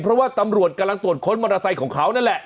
เพราะว่าตำรวจกำลังตรวจค้นมอเตอร์ไซค์ของเขานั่นแหละ